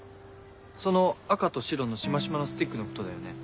その赤と白のしましまのスティックのことだよね？